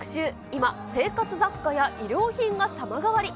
今、生活雑貨や衣料品が様変わり。